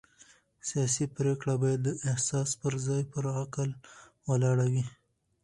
سیاسي پرېکړې باید د احساس پر ځای پر عقل ولاړې وي